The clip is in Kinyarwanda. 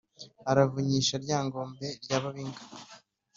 Aravunyisha Lyangombe rya Babinga